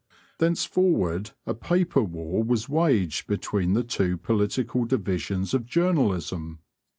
Thenceforward a paper war was waged between the two political divisions of journalism.